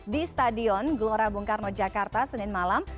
di stadion gelora bung karno jakarta senin malam